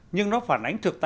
nhưng nó phản ánh thực tế